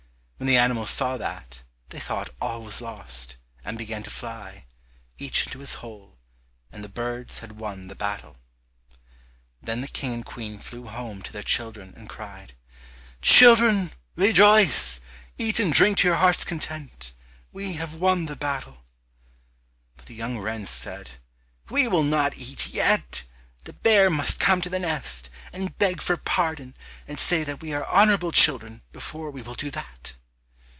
When the animals saw that, they thought all was lost, and began to fly, each into his hole and the birds had won the battle. Then the King and Queen flew home to their children and cried, "Children, rejoice, eat and drink to your heart's content, we have won the battle!" But the young wrens said, "We will not eat yet, the bear must come to the nest, and beg for pardon and say that we are honorable children, before we will do that."